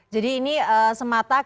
jadi ini semata karakter